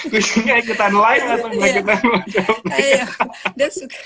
kecilnya ikutan live